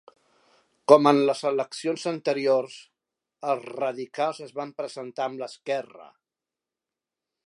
Com en les eleccions anteriors, els radicals es van presentar amb l'esquerra.